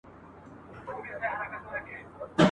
د یورپ او امریکا ښځي